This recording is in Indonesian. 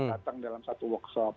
datang dalam satu workshop